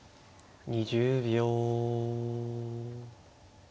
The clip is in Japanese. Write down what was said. ２０秒。